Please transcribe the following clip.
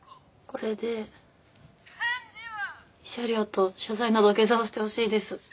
これで慰謝料と謝罪の土下座をしてほしいです